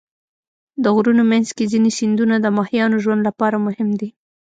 د غرونو منځ کې ځینې سیندونه د ماهیانو ژوند لپاره مهم دي.